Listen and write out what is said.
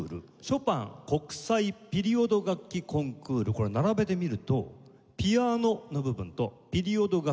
これ並べてみると「ピアノ」の部分と「ピリオド楽器」